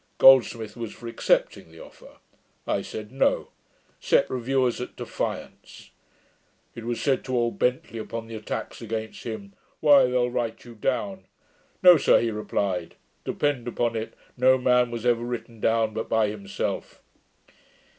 Goldsmith was for accepting the offer. I said, No; set reviewers at defiance. It was said to old Bentley, upon the attacks against him, "Why, they'll write you down." "No, sir," he replied; "depend upon it, no man was ever written down but by himself."'